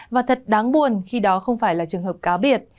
và thật đáng buồn khi đó không phải là trường hợp cá biệt